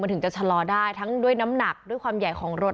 ถึงจะชะลอได้ทั้งด้วยน้ำหนักด้วยความใหญ่ของรถ